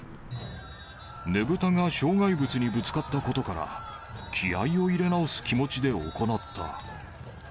ねぶたが障害物にぶつかったことから、気合いを入れ直す気持ちで行った。